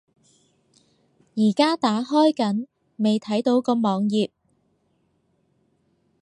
而家打開緊，未睇到個網頁￼